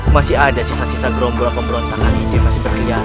masih ada sisa sisa gerombola pemberontakan itu yang masih berkeliaran